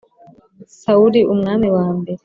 sawuli, umwami wa mbere